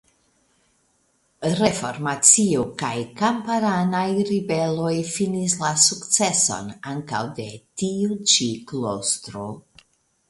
Reformacio kaj kamparanaj ribeloj finis la sukceson ankaŭ de tiu ĉi klostro.